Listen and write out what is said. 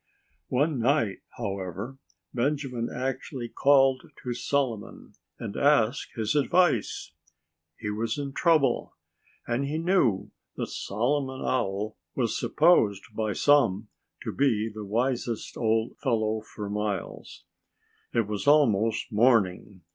One night, however, Benjamin actually called to Solomon and asked his advice. He was in trouble. And he knew that Solomon Owl was supposed by some to be the wisest old fellow for miles around. It was almost morning.